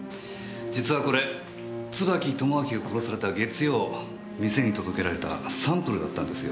実はこれ椿友章が殺された月曜店に届けられたサンプルだったんですよ。